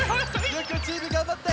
ゆうくんチームがんばって！